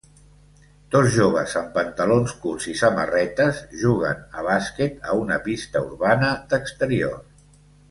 Dos joves amb pantalons curts i samarretes juguen a bàsquet a una pista urbana d'exterior.